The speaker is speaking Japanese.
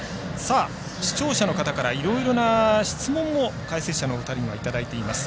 視聴者の方からいろいろな質問も解説者のお二人にいただいています。